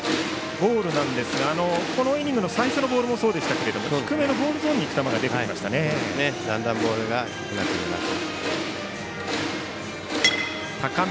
ボールなんですがこのイニングの最初のボールもそうでしたが低めのボールゾーンにいく球が出てきました。